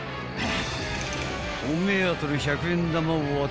［お目当ての］